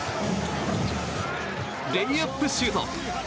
レイアップシュート！